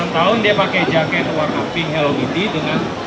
enam tahun dia pakai jaket warna pink hello kitty dengan